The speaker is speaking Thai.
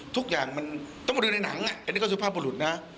ทุกอย่างมันต้องมาดูในหนังอันนี้ก็สุภาพบุรุษนะ